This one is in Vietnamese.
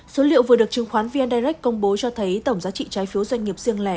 số liệu vừa được chứng khoán vn direct công bố cho thấy tổng giá trị trái phiếu doanh nghiệp riêng lẻ